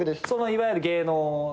いわゆる芸能の？